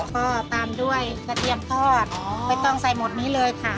ก็ตามด้วยกระเทียมทอดไม่ต้องใส่หมดนี้เลยค่ะ